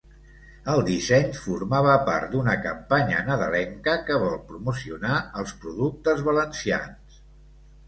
El disseny formava part d’una campanya nadalenca que vol promocionar els productes valencians.